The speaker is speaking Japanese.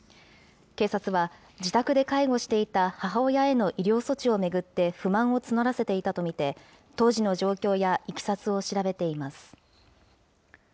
警察は、自宅で介護していた母親への医療措置を巡って不満を募らせていたと見て、当時の状況やいきさつを調べています。